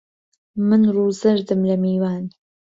من ڕوو زەردم لە میوان